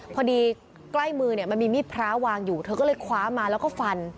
พอดีใกล้มือเนี่ยมันมีมีดพระวางอยู่เธอก็เลยคว้ามาแล้วก็ฟัน